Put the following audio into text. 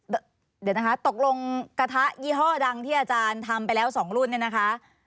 เดี๋ยวนะคะตกลงกระทะยี่ห้อดังที่อาจารย์ทำไปแล้ว๒รุ่นเนี่ยนะคะ